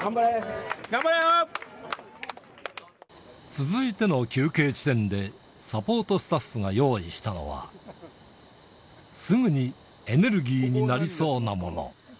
続いての休憩地点で、サポートスタッフが用意したのは、すぐにエネルギーになりそうなもの。